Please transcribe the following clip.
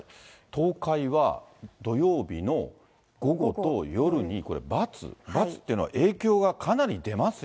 東海は土曜日の午後と夜にこれ、×、×っていうのは影響がかなり出ます